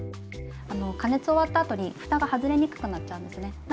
加熱終わったあとにふたが外れにくくなっちゃうんですね。